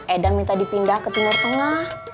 edang minta dipindah ke timur tengah